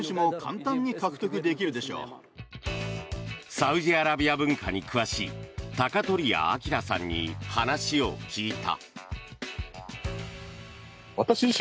サウジアラビア文化に詳しい鷹鳥屋明さんに話を聞いた。